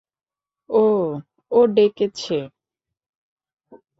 ও, ও ডেকেছে?